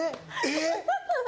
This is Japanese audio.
えっ？